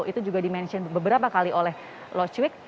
itu juga dimention beberapa kali oleh lociwi